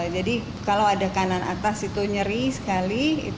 jadi kalau ada kanan atas itu nyeri sekali